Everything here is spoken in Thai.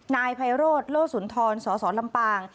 นายไพโรธโลสุนทรสสลำปาง